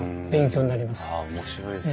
あ面白いですね。